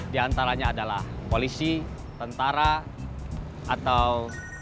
di antaranya adalah polisi tentara atau